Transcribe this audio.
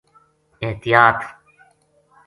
احتیاط